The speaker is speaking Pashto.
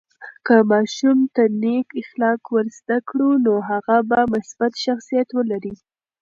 که ماشوم ته نیک اخلاق ورزده کړو، نو هغه به مثبت شخصیت ولري.